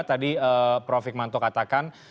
tadi prof fikmanto katakan